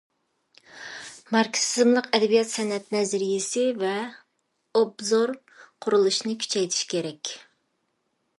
ماركسىزملىق ئەدەبىيات- سەنئەت نەزەرىيەسى ۋە ئوبزور قۇرۇلۇشىنى كۈچەيتىش كېرەك.